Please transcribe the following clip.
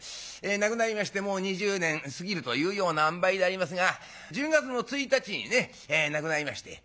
亡くなりましてもう２０年過ぎるというようなあんばいでありますが１０月の１日にね亡くなりまして。